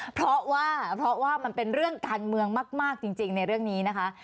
เพราะว่าเพราะว่ามันเป็นเรื่องการเมืองมากจริงในเรื่องนี้นะคะ